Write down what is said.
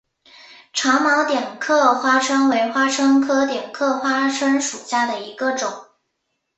长毛点刻花蝽为花蝽科点刻花椿属下的一个种。